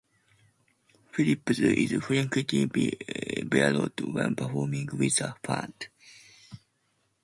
Phillips is frequently barefoot when performing with the band.